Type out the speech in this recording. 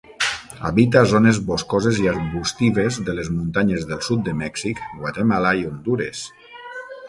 Habita zones boscoses i arbustives de les muntanyes del sud de Mèxic, Guatemala i Hondures.